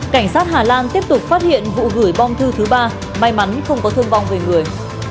cảnh sát hà lan tiếp tục phát hiện vụ gửi bom thư thứ ba may mắn không có thương vong về người